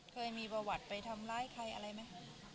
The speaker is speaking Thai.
เคยมีประวัติไปทำร้ายใครอะไรไหม